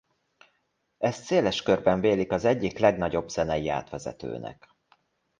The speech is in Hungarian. Ezt széles körben vélik az egyik legnagyobb zenei átvezetőnek.